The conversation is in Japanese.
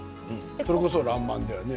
それこそ「らんまん」ですよね。